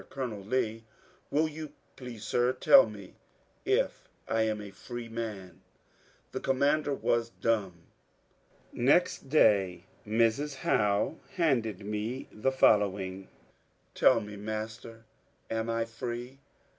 Colonel Lee, ^* Will you please, sir, tell me if I am a free man ?" The commander was dumb. Next day Mrs. Howe handed me the following :— Tell me, master, am I free